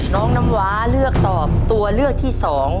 น้องน้ำหวาเลือกตอบตัวเลือกที่๒